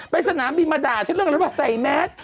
สนามบินมาด่าฉันเรื่องอะไรป่ะใส่แมส